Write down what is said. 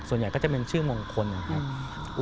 ส่วนใหญ่ก็จะเป็นชื่อมงคลนะครับ